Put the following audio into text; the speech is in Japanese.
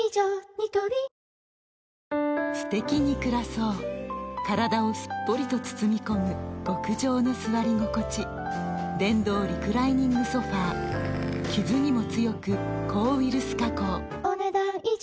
ニトリすてきに暮らそう体をすっぽりと包み込む極上の座り心地電動リクライニングソファ傷にも強く抗ウイルス加工お、ねだん以上。